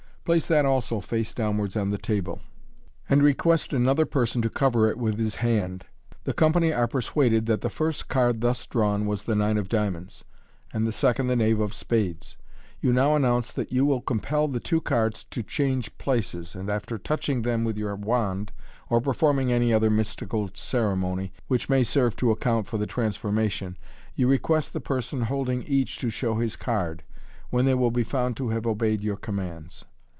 Place that also face downwards on the table, and request another person to cover it with his band. The company are persuaded that the first card thus drawn was the nine of diamonds, and the second the knave of spades. You now announce that you will compel the two cards to change places, and after touching them with your wand, or performing any other mystical ceremony which may serve to account for the transformation, you request the person holding each to show his card, when they will be found to have obeyed your commands.